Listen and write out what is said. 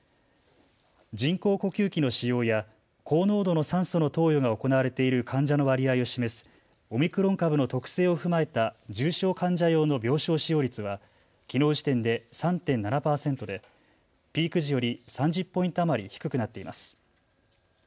人工呼吸器の使用や高濃度の酸素の投与が行われている患者の割合を示すオミクロン株の特性を踏まえた重症患者用の病床使用率はきのう時点で３．７％でピーク時より３０ポイント余り低くなっています。